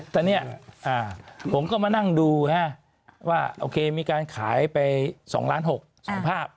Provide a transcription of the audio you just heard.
แต่เนี้ยอ่าผมก็มานั่งดูฮะว่าโอเคมีการขายไปสองล้านหกสองภาพ